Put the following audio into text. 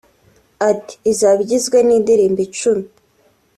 Ati “Izaba igizwe n’indirimbo icumi